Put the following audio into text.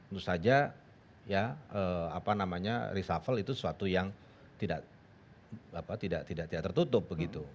tentu saja reshuffle itu sesuatu yang tidak tertutup begitu